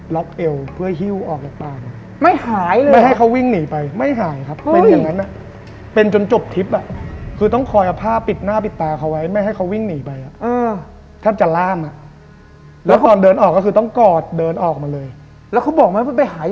และเขาบอกมันไปหายอย่างไร